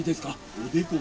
「おでこが？」。